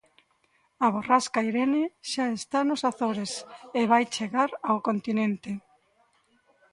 A borrasca Irene xa está nos Açores e vai chegar ao continente.